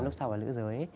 lúc sau là nữ giới